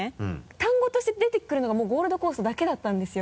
単語として出てくるのがもう「ゴールド・コースト」だけだったんですよ。